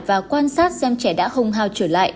và quan sát xem trẻ đã hồng hào trở lại